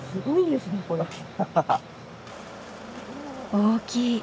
大きい！